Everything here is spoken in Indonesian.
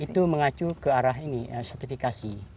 itu mengacu ke arah ini sertifikasi